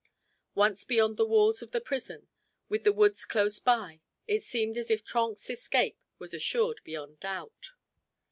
Once beyond the walls of the prison, with the woods close by, it seemed as if Trenck's escape was assured beyond doubt.